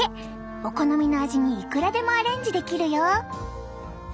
お好みの味にいくらでもアレンジできるよ。